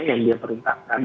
yang dia perintahkan